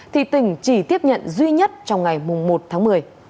thì tỉnh chỉ tiếp nhận duy nhất trong ngày một tháng một mươi